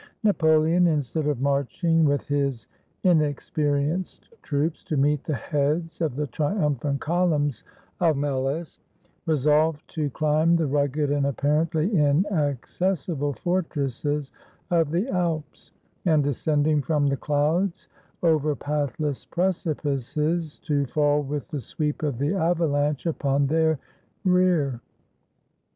Napoleon, instead of marching with his inexperienced troops to meet the heads of the triumphant columns of Melas, resolved to climb the rugged and apparently in accessible fortresses of the Alps, and, descending from the clouds over pathless precipices, to fall with the sweep of the avalanche upon their rear.